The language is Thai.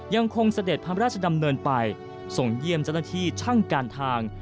ยังคงเสด็จพระราชดำเนินไปส่งเยี่ยมจังหวัดนานที่ช่างการทาง